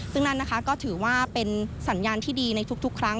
ซึ่งนั่นนะคะก็ถือว่าเป็นสัญญาณที่ดีในทุกครั้ง